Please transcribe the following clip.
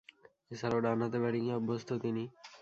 এছাড়াও ডানহাতে ব্যাটিংয়ে অভ্যস্ত তিনি।